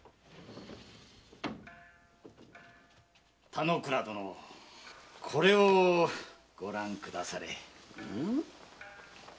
・田之倉殿これをご覧くだされ。